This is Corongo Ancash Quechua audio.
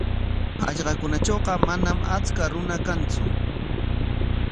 Hallqakunatrawqa manam achka runa kantsu.